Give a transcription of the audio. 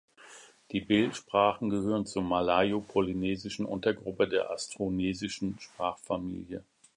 Die Bel-Sprachen gehören zur malayo-polynesischen Untergruppe der austronesischen Sprachfamilie.